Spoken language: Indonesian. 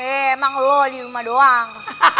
eh emang lo di rumah doang